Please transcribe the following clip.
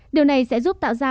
điều này sẽ giúp tạo ra